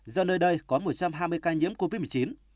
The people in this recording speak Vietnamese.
do nơi đây có một trăm hai mươi ca nhiễm covid một mươi chín